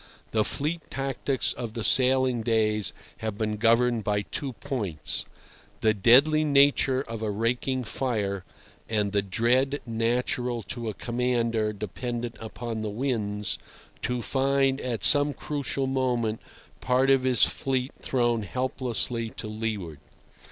The fleet tactics of the sailing days have been governed by two points: the deadly nature of a raking fire, and the dread, natural to a commander dependent upon the winds, to find at some crucial moment part of his fleet thrown hopelessly to leeward.